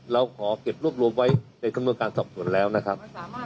เราขอเก็บรวบไว้ในคำนวงการสอบส่วนแล้วนะครับ